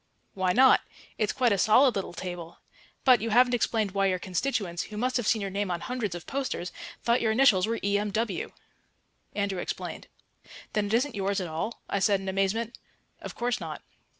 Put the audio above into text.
"Why not? It's quite a solid little table. But you haven't explained why your constituents, who must have seen your name on hundreds of posters, thought your initials were E.M.W." Andrew explained. "Then it isn't yours at all?" I said in amazement. "Of course not."